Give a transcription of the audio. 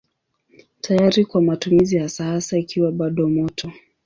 Tayari kwa matumizi hasa hasa ikiwa bado moto.